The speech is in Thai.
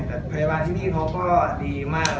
แต่พยาบาลที่นี่เขาก็ดีมาก